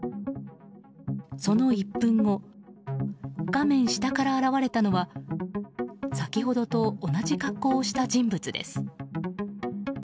その１分後画面下から現れたのは先ほどと同じ格好をした人物です。